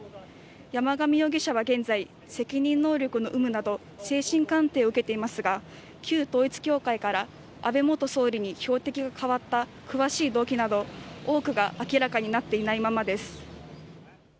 山上容疑者は現在、責任能力の有無など精神鑑定を受けていますが、旧統一教会から安倍元総理に標的が変わった詳しい動機など、多くが明らかになっていないままです。